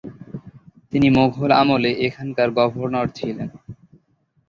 তিনি মোঘল আমলে এখানকার গভর্নর ছিলেন।